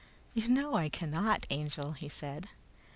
"You know I cannot, Angel," he said.